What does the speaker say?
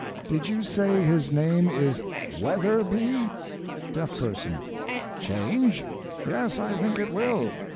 Did you say his name is WETHERBY? Deaf Person. Change? Yes, I think it will.